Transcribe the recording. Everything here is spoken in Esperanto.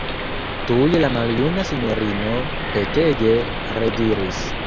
Tuj la maljuna sinjorino petege rediris: